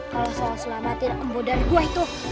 kalau salah selamatin simpo dari gua itu